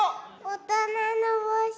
おとなのぼうし？